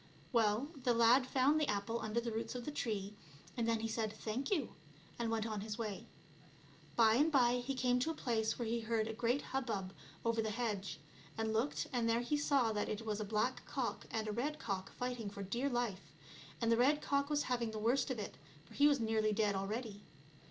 Well, the lad found the apple under the roots of the tree, and then he said " thank you," and went on his way. By and by he came to a place where he heard a great hubbub over the hedge ; he looked and there he saw that it was a black cock and a red cock fighting for dear life, and the red cock was having the worst of it, for it was nearly dead already.